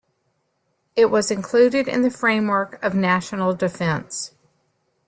It was included in the framework of National Defense.